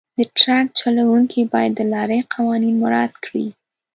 د ټرک چلونکي باید د لارې قوانین مراعات کړي.